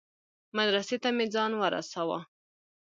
مدرسې ته مې ځان ورساوه.